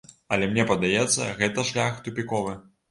Але мне падаецца, гэта шлях тупіковы.